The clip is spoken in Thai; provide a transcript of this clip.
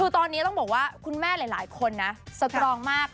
คือตอนนี้ต้องบอกว่าคุณแม่หลายคนนะสตรองมาก